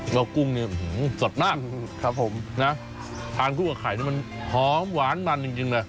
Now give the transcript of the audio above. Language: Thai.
ว่ากุ้งเนี่ยสดมากครับผมนะทานคู่กับไข่นี่มันหอมหวานมันจริงเลย